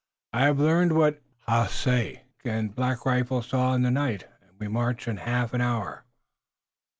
I have learned what Haace and Black Rifle saw in the night, and we march in half an hour."